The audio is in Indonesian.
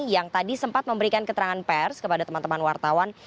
yang tadi sempat memberikan keterangan pers kepada teman teman wartawan